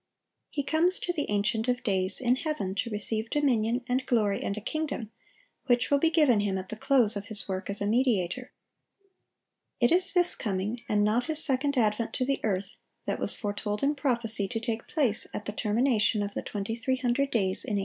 He comes to the Ancient of days in heaven to receive dominion, and glory, and a kingdom, which will be given Him at the close of His work as a mediator. It is this coming, and not His second advent to the earth, that was foretold in prophecy to take place at the termination of the 2300 days in 1844.